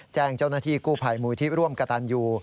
แจ้งเจ้าหน้าที่กู้ภัยมูลที่ร่วมกระตันยู